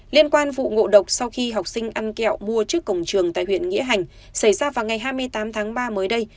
liên quan vụ ngộ độc sau khi học sinh ăn kẹo mua trước cổng trường tại huyện nghĩa hành xảy ra vào ngày hai mươi tám tháng ba mới đây